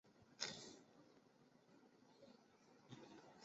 驼背丘腹蛛为球蛛科丘腹蛛属的动物。